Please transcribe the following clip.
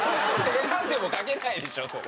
選んでも描けないでしょそれ！